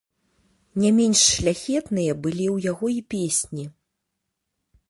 Не менш шляхетныя былі ў яго і песні.